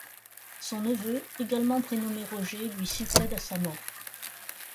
Son neveu, également prénommé Roger, lui succède à sa mort.